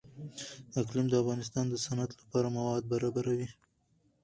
اقلیم د افغانستان د صنعت لپاره مواد برابروي.